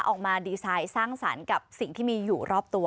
ออกมาดีไซน์สร้างสรรค์กับสิ่งที่มีอยู่รอบตัว